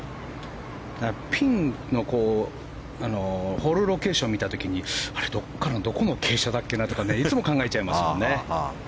ピンのホールロケーションを見た時にどこの傾斜だっけなっていつも考えちゃいますもんね。